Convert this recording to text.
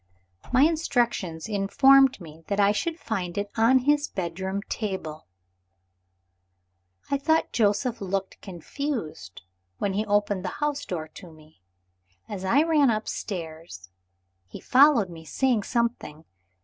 My instructions informed me that I should find it on his bedroom table. I thought Joseph looked confused when he opened the house door to me. As I ran upstairs, he followed me, saying something.